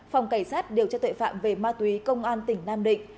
phòng cảnh sát điều tra tuệ phạm về ma túy công an tỉnh nam định